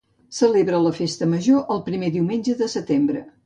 Celebra la festa major el primer diumenge de setembre.